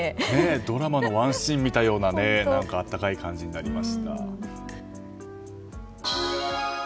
ドラマのワンシーンみたいな温かい感じになりましたね。